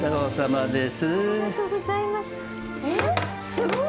すごい！